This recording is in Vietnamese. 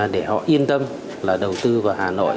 để họ yên tâm là đầu tư vào hà nội